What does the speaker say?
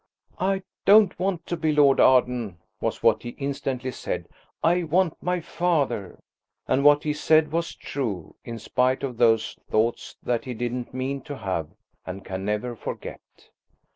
"I don't want to be Lord Arden," was what he instantly said–"I want my father." And what he said was true, in spite of those thoughts that he didn't mean to have and can never forget.